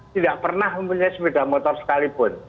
tidak pernah mempunyai sepeda motor sekalipun